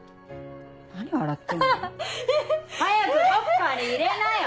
早くロッカーに入れなよ！